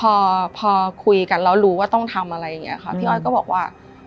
พอพอคุยกันแล้วรู้ว่าต้องทำอะไรอย่างเงี้ค่ะพี่อ้อยก็บอกว่า